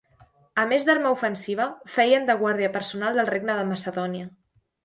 A més d'arma ofensiva, feien de guàrdia personal del Regne de Macedònia.